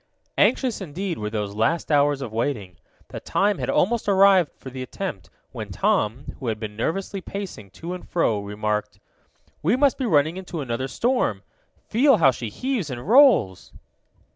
Anxious, indeed, were those last hours of waiting. The time had almost arrived for the attempt, when Tom, who had been nervously pacing to and fro, remarked: "We must be running into another storm. Feel how she heaves and rolls!"